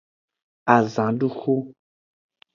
Azanduxu.